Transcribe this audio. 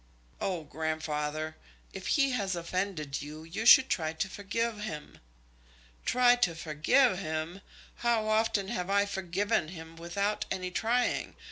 "Oh, grandfather, if he has offended you, you should try to forgive him." "Try to forgive him! How often have I forgiven him without any trying?